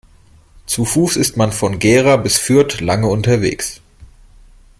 Zu Fuß ist man von Gera bis Fürth lange unterwegs